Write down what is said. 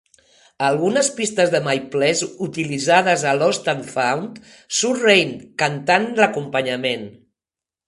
A algunes pistes de "My Place" utilitzades a "Lost and Found" surt Reyne cantant l'acompanyament.